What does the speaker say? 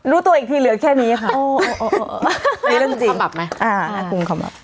รู้ตัวอีกทีเหลือแค่นี้ค่ะอ๋อนี่เรื่องจริงคุณคำบับไหมอ่าคุณคำบับ